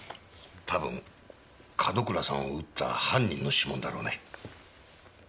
多分門倉さんを撃った犯人の指紋だろうね。